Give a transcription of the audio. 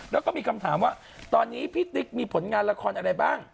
แล้วก็มีคำถามว่าตอนนี้พี่ติ๊กมีผลงานละครอะไรบ้าง